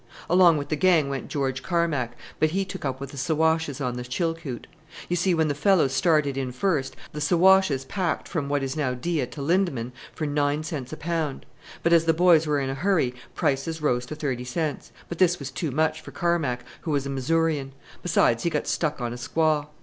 Along with the gang went George Carmack, but he took up with the Siwashes on the Chilkoot. You see, when the fellows started in first, the Siwashes packed from what is now Dyea to Lindeman for nine cents a pound; but as the boys were in a hurry prices rose to thirty cents and this was too much for Carmack, who was a Missourian; besides, he got stuck on a squaw.